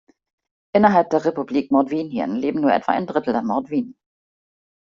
Innerhalb der Republik Mordwinien leben nur etwa ein Drittel der Mordwinen.